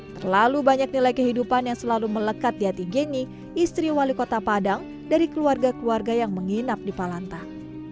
terlalu banyak nilai kehidupan yang selalu melekat di hati geni istri wali kota padang dari keluarga keluarga yang menginap di palantah